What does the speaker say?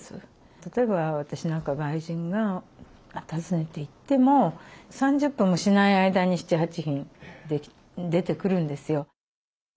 例えば私なんか外人が訪ねて行っても３０分もしない間に７８品出てくるんですよ。